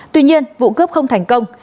tuy nhiên vụ cướp không thành công